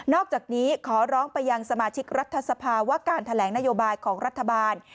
อกจากนี้ขอร้องไปยังสมาชิกรัฐสภาว่าการแถลงนโยบายของรัฐบาล